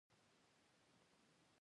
کروندګر د ګرده فصل په پای کې خوشحال دی